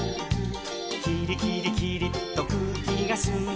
「キリキリキリッとくうきがすんで」